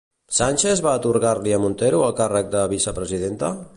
Sánchez va atorgar-li a Montero el càrrec de vice-presidenta?